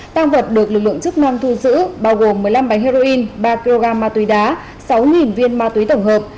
tăng vật được lực lượng chức năng thu giữ bao gồm một mươi năm bánh heroin ba kg ma túy đá sáu viên ma túy tổng hợp